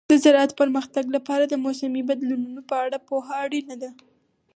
د زراعت پرمختګ لپاره د موسمي بدلونونو په اړه پوهه اړینه ده.